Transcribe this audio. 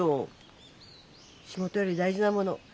仕事より大事なもの